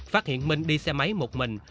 phát hiện minh đi xe máy một mình